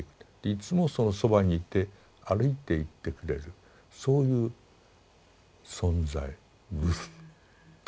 いつもそのそばにいて歩いていってくれるそういう存在グス神。